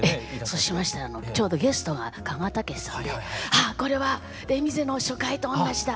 そうしましたらちょうどゲストが鹿賀丈史さんで「あっこれは『レミゼ』の初回と同じだ」。